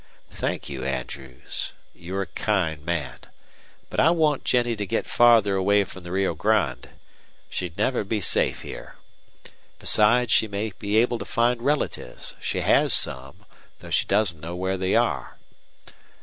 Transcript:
"Thank you, Andrews. You're a kind man. But I want Jennie to get farther away from the Rio Grande. She'd never be safe here. Besides, she may be able to find relatives. She has some, though she doesn't know where they are."